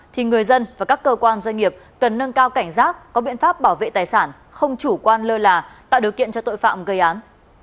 thì người dân và các cơ quan doanh nghiệp cần nâng cao cảnh giác có biện pháp bảo vệ tài sản không chủ quan lơ là tạo điều kiện cho tội phạm gây án